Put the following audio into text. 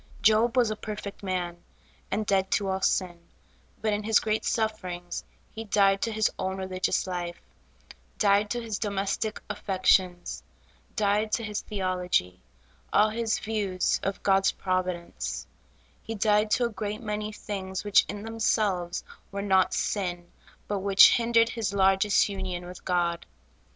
Job was a perfect man, and dead to all sin ; but in his great sufferings, he died to his own religious life ; died to his domestic affections ; died to his theology ; all his views of God's providence ; he died to a great many things which in themselves were not sin, but which hindered his largest union with God.